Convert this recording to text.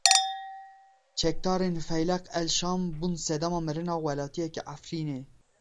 Çekdarên Feyleq El Şam bûn sedema mirina welatiyekî Efrînê.